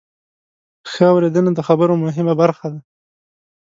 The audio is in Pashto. ښه اورېدنه د خبرو مهمه برخه ده.